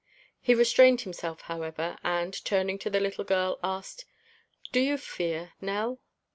He restrained himself, however, and, turning to the little girl, asked: "Do you fear, Nell?"